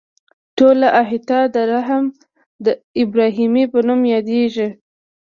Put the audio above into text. ټوله احاطه د حرم ابراهیمي په نوم یادیږي.